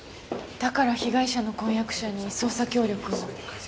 だから被害者の婚約者に捜査協力を。